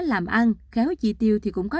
làm ăn khéo chi tiêu thì cũng có